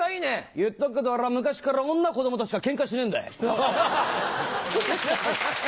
言っとくけど俺は昔から女子供としかケンカしねえんだい！